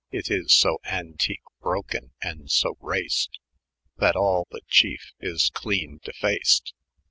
It is so antyk, broken, and so raced, That all the chyeP is clene defaced.